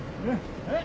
えっ！